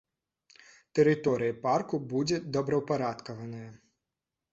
Тэрыторыя парку будзе добраўпарадкаваная.